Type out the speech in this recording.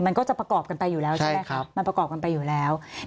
มันก็จะประกอบกันไปอยู่แล้วใช่ไหมครับมันประกอบกันไปอยู่แล้ว